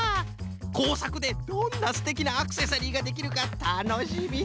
こうさくでどんなすてきなアクセサリーができるかたのしみたのしみフフ。